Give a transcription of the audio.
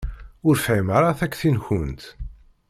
Ur fhimeɣ ara takti-nkent.